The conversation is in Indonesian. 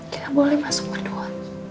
kita boleh masuk berdua